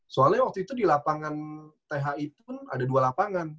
soalnya waktu itu di lapangan thi pun ada dua lapangan